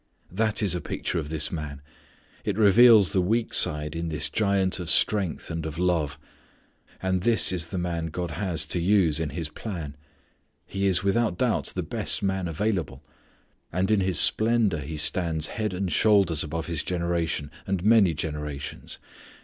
That is a picture of this man. It reveals the weak side in this giant of strength and of love. And this is the man God has to use in His plan. He is without doubt the best man available. And in his splendour he stands head and shoulders above his generation and many generations.